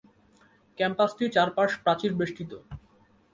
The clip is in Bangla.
ক্যাম্পাসটি চারপাশ প্রাচীর বেষ্টিত।